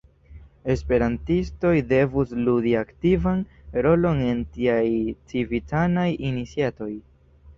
Esperantistoj devus ludi aktivan rolon en tiaj civitanaj iniciatoj.